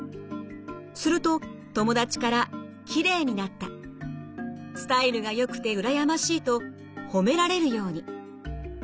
すると友達から「きれいになった」「スタイルがよくてうらやましい」と褒められるように。